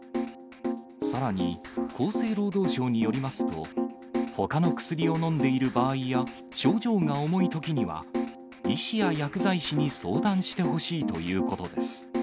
さらに、厚生労働省によりますと、ほかの薬を飲んでいる場合や症状が重いときには、医師や薬剤師に相談してほしいということです。